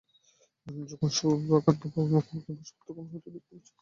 যখন সুধাকান্তবাবুর মুখোমুখি বসব তখন হয়তো দেখব গুছিয়ে-আনা জিনিস সব এলেমেলো হয়ে গেছে।